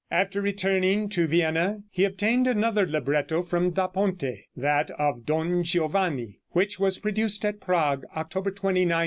After returning to Vienna he obtained another libretto from Da Ponte, that of "Don Giovanni," which was produced at Prague, October 29, 1787.